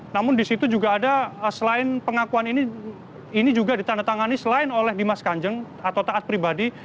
namun di situ juga ada selain pengakuan ini ini juga ditandatangani selain oleh dimas kanjeng atau taat pribadi